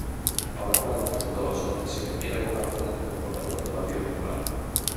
Paula Prado presentou a súa dimisión "irrevogábel" como portavoz do Partido Popular.